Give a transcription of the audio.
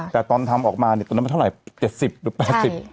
แต่ตอนทำออกมาตอนนั้นเท่าไหร่๗๐หรือ๘๐